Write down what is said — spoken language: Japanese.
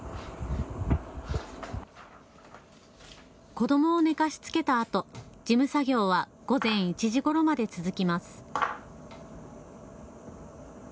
子どもを寝かしつけたあと事務作業は午前１時ごろまで続きます。